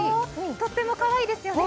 とってもかわいいですよね。